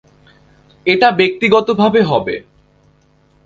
এটা ব্যক্তিগতভাবে হবে।